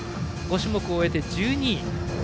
５種目終えて１２位。